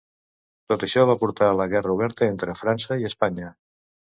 Tot això va portar a la guerra oberta entre França i Espanya.